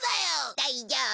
大丈夫。